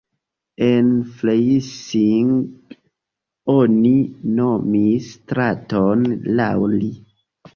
En Freising oni nomis straton laŭ li.